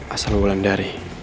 asal bulan dari